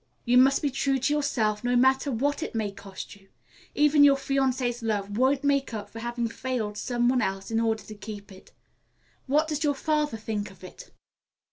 You must be true to yourself, no matter what it may cost you. Even your fiancé's love won't make up for having failed some one else in order to keep it. What does your father think of it?"